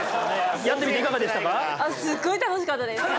やってみていかがでしたか？